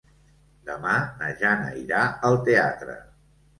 Demà na Jana irà al teatre.